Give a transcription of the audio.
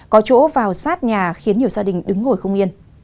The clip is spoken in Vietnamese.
có chỗ vào sát nhà khiến nhiều gia đình đứng ngồi không yên